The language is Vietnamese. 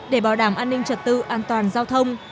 để bảo đảm an ninh trật tự an toàn giao thông